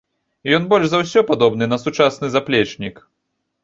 Ён больш за ўсё падобны на сучасны заплечнік.